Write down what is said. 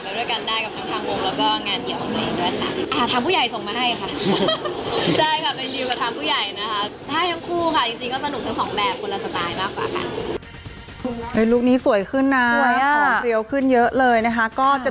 ด้วยกันได้กับทั้งทางวงแล้วก็งานเดียวของตัวเองด้วยค่ะ